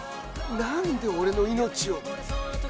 なんで俺の命を？